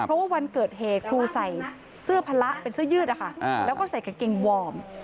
เพราะว่าวันเกิดเหตุครูใส่เสื้อพละเป็นเสื้อยืดนะคะแล้วก็ใส่กางเกงวอร์ม